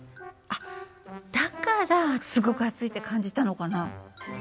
あっだからすごく熱いって感じたのかな。